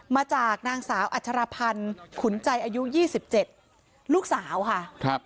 มาจากนางสาวอัจฉรพันธ์ขุนใจอายุยี่สิบเจ็ดลูกสาวค่ะครับ